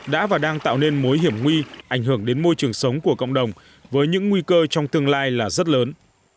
đã và đang tạo nên mối hiểm nguy ảnh hưởng đến môi trường sống của cộng đồng với những nguy cơ trong tương lai là rất lớn